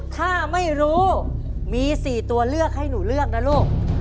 ถ้าไม่รู้มี๔ตัวเลือกให้หนูเลือกนะลูก